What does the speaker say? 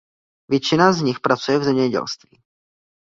Většina z nich pracuje v zemědělství.